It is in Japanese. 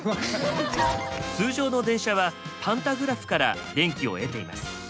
通常の電車はパンダグラフから電気を得ています。